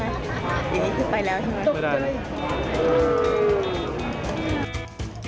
ไปแล้วใช่ไหมตกด้วยไม่ได้